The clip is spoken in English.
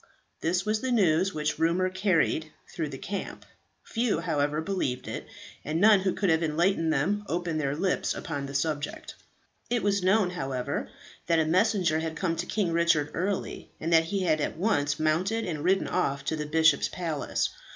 This was the news which rumour carried through the camp. Few, however, believed it, and none who could have enlightened them opened their lips upon the subject. It was known, however, that a messenger had come to King Richard early, and that he had at once mounted, and ridden off to the bishop's palace.